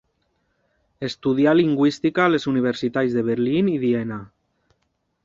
Estudià lingüística a les universitats de Berlín i Viena.